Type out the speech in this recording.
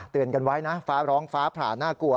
กันไว้นะฟ้าร้องฟ้าผ่าน่ากลัว